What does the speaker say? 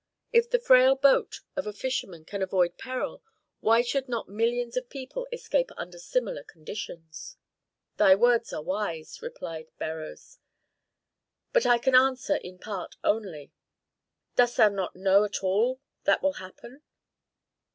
If the frail boat of a fisherman can avoid peril, why should not millions of people escape under similar conditions?" "Thy words are wise," replied Beroes, "but I can answer in part only." "Dost thou not know all that will happen?"